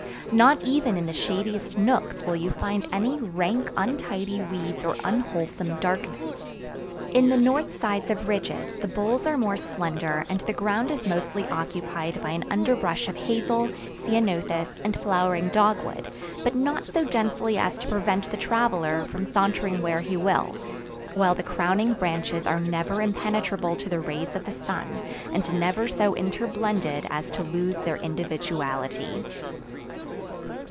Not even in the shadiest nooks will you find any rank, untidy weeds or unwholesome darkness. In the north sides of ridges the boles are more slender, and the ground is mostly occupied by an underbrush of hazel, ceanothus, and flowering dogwood, but not so densely as to prevent the traveler from sauntering where he will; while the crowning branches are never impenetrable to the rays of the sun, and never so interblended as to lose their individuality.